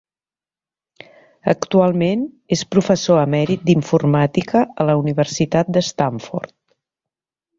Actualment, és professor emèrit d'informàtica a la Universitat de Stanford.